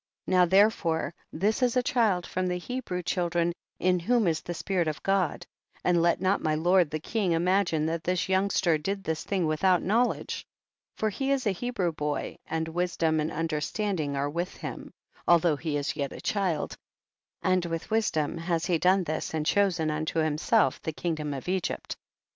Now therefore this is a child from the Hebrew children, in whom is the spirit of God, and let not my lord the king imagine that this young ster did this thing without knowledge. 7. For he is a Hebrew boy, and wisdom and understanding are with him, although he is yet a child, and with wisdom has he done this and chosen unto himself the kingdom of Egypt. 8.